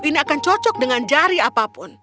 ini akan cocok dengan jari apapun